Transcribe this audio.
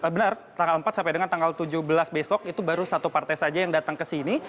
benar tanggal empat sampai dengan tanggal tujuh belas besok itu baru satu partai saja yang datang ke sini